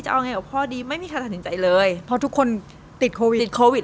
เอาไงกับพ่อดีไม่มีใครตัดสินใจเลยเพราะทุกคนติดโควิดติดโควิด